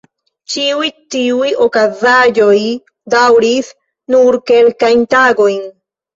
Ĉiuj tiuj okazaĵoj daŭris nur kelkajn tagojn.